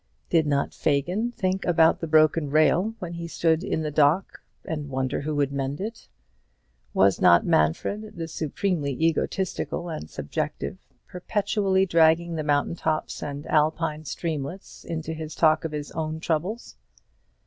Did not Fagin think about the broken rail when he stood in the dock, and wonder who would mend it? Was not Manfred, the supremely egotistical and subjective, perpetually dragging the mountain tops and Alpine streamlets into his talk of his own troubles?